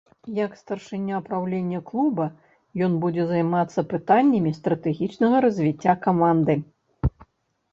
Як старшыня праўлення клуба ён будзе займацца пытаннямі стратэгічнага развіцця каманды.